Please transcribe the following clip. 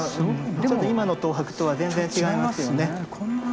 今の東博とは全然違いますよね。